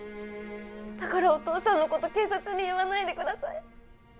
だからお父さんのこと警察に言わないでください